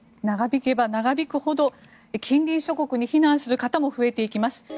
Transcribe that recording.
長引けば長引くほど近隣諸国に避難する方も増えていきます。